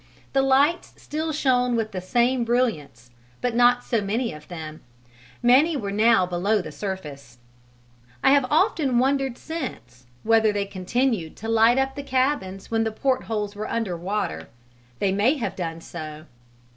The lights still shone with the same brilliance, but not so many of them: many were now below the surface. I have often wondered since whether they continued to light up the cabins when the portholes were under water; they may have done so.